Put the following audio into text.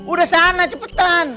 udah sana cepetan